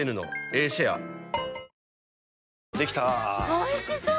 おいしそう！